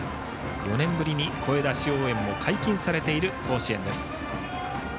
４年ぶりに声出し応援も解禁されている甲子園です。